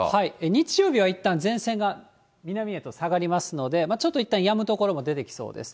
日曜日はいったん前線が南へと下がりますので、ちょっといったんやむ所も出てきそうです。